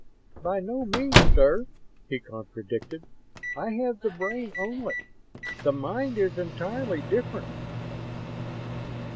"By no means, sir," he contradicted. "I have the brain only. The mind is entirely different."